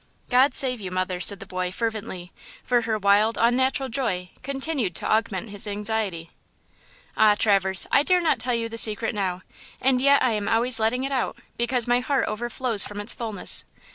"God save you, mother!" said the boy, fervently, for her wild, unnatural joy continued to augment his anxiety. "Ah, Traverse, I dare not tell you the secret now, and yet I am always letting it out, because my heart overflows from its fulness.